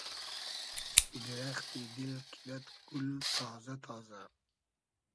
دیرئختی دیل کیدئد گول تازۂ تازۂ